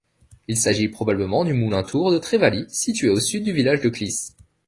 Il s'agit probablement du moulin-tour de Trévaly, situé au sud du village de Clis.